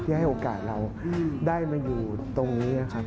ให้โอกาสเราได้มาอยู่ตรงนี้นะครับ